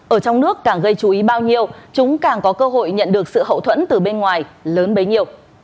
ở trong nước càng gây chú ý bao nhiêu chúng càng có cơ hội nhận được sự hậu thuẫn từ bên ngoài lớn bấy nhiêu